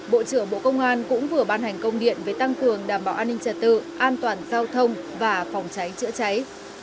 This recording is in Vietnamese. bộ trưởng bộ công an cũng vừa ban hành công điện về tăng cường đảm bảo an ninh trật tự an toàn giao thông và phòng cháy chữa cháy